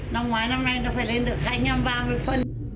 năm ngoái năm nay nó phải lên được hai trăm ba mươi phân